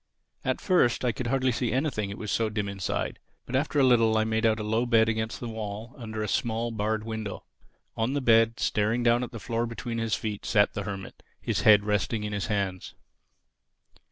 At first I could hardly see anything, it was so dim inside. But after a little I made out a low bed against the wall, under a small barred window. On the bed, staring down at the floor between his feet, sat the Hermit, his head resting in his hands.